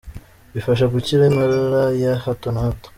Bifasha gukira inkorora ya hato na hato.